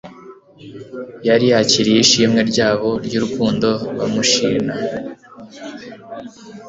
yari yakiriye ishimwe ryabo ry'urukundo bamushilna,